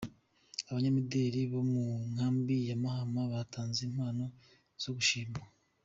Abanyamideli bo mu nkambi ya Mahama batanze impano zo gushima.